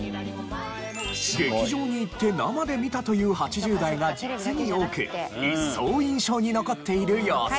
劇場に行って生で見たという８０代が実に多く一層印象に残っている様子。